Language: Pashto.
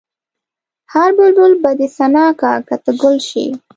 هر بلبل به دې ثنا کا که ته ګل شې.